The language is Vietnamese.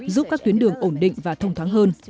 giúp các tuyến đường ổn định và thông thoáng hơn